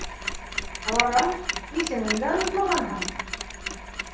Ҡара, исемен дә онотмағанһың.